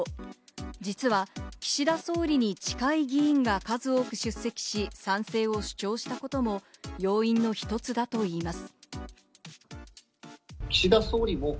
実は岸田総理に近い議員が数多く出席し、賛成を主張したことも要因の一つだといいます。